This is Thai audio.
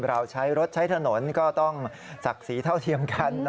เราใช้รถใช้ถนนก็ต้องศักดิ์ศรีเท่าเทียมกัน